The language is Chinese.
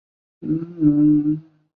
治所在戎州西五百三十五里。